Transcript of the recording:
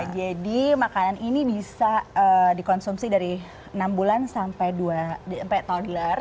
jadi makanan ini bisa dikonsumsi dari enam bulan sampai dua sampai toddler